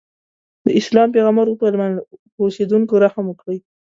د اسلام پیغمبر وفرمایل په اوسېدونکو رحم وکړئ.